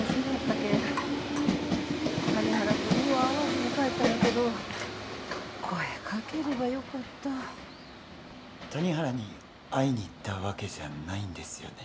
けん谷原君には会わずに帰ったんやけど声かければよかった谷原に会いに行ったわけじゃないんですよね？